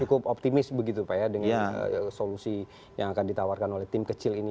cukup optimis begitu pak ya dengan solusi yang akan ditawarkan oleh tim kecil ini